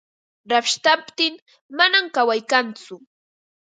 Rashtaptin manam kaway kantsu.